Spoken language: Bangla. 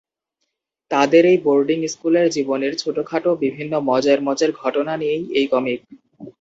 তাদের এই বোর্ডিং স্কুলের জীবনের ছোটখাটো বিভিন্ন মজার মজার ঘটনা নিয়েই এই কমিক।